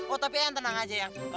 oh tapi eang tenang aja eang